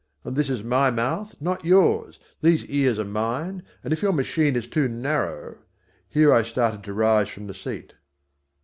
And this is my mouth, not yours. These ears are mine, and if your machine is too narrow " Here I started to rise from the seat.